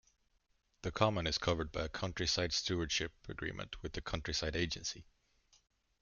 The Common is covered by a Countryside Stewardship agreement with the Countryside Agency.